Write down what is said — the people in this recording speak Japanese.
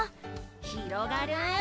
ひろがる！